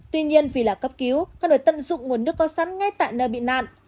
tuy nhiên vì là cấp cứu cần phải tận dụng nguồn nước có sẵn ngay tại nơi bị nạn